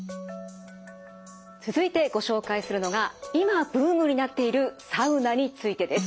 続いてご紹介するのが今ブームになっているサウナについてです。